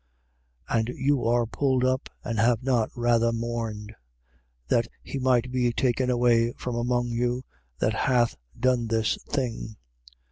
5:2. And you are puffed up and have not rather mourned: that he might be taken away from among you that hath done this thing.